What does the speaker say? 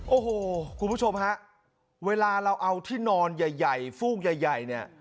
โอ้โหคุณผู้ชมฮะเวลาเราเอาที่นอนใหญ่ฟูกใหญ่เนี่ย